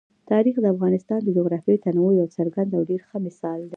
تاریخ د افغانستان د جغرافیوي تنوع یو څرګند او ډېر ښه مثال دی.